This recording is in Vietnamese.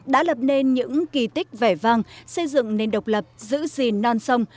đã lập nên những kỳ tích vẻ vang xây dựng nền độc lập giữ gìn non sông